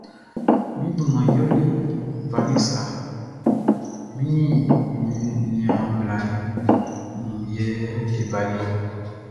Mi duman yɛlɛ Vanessa hɛ, mi ni mi niaan bla mun yɛ e baliɔ.